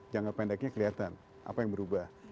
jangka pendeknya kelihatan apa yang berubah